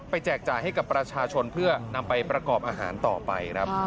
แจกจ่ายให้กับประชาชนเพื่อนำไปประกอบอาหารต่อไปครับ